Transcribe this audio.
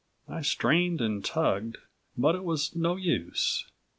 I strained and tugged, but it was no use.